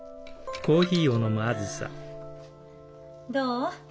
どう？